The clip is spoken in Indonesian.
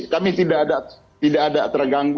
kami tidak ada terganggu